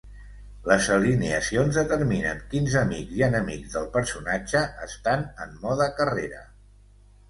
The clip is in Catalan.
Les alineacions determinen quins amics i enemics del personatge estan en mode carrera.